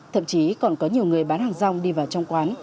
thậm chí còn có nhiều người bán hàng rong đi vào trong quán